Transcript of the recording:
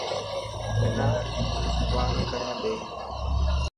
منان بان ڪرڻ ڏي.